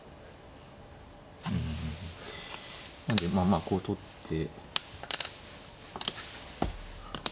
うんなんでまあまあこう取って。